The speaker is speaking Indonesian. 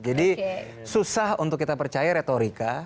jadi susah untuk kita percaya retorika